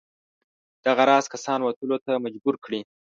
دغه راز کسان وتلو ته مجبور کړي.